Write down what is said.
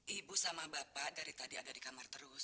ibu sama bapak dari tadi ada di kamar terus